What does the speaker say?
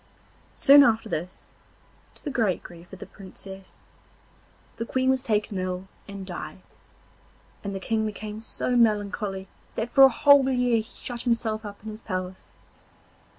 Soon after this, to the great grief of the Princess, the Queen was taken ill and died, and the King became so melancholy that for a whole year he shut himself up in his palace.